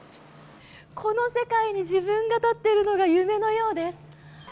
この世界に自分が立っているのが夢のようです。